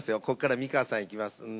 ここから美川さんいきます。